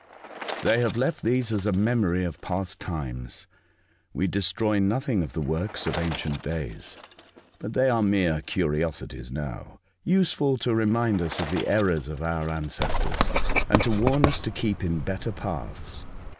'' They have left these as a memory of past times. We destroy nothing of the works of ancient days ; but they are mere curiosities now, useful to remind us of the errors of our ancestors, and to warn us to keep in better paths.